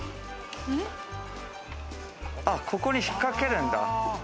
ここに引っかけるんだ！